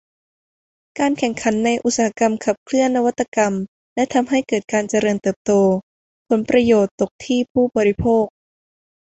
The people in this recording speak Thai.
การแข่งขันในอุตสาหกรรมขับเคลื่อนนวัตกรรมและทำให้เกิดการเจริญเติบโต ผลประโยชน์ตกที่ผู้บริโภค